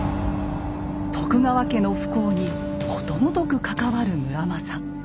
徳川家の不幸にことごとく関わる村正。